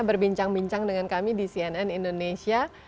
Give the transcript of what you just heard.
berbincang bincang dengan kami di cnn indonesia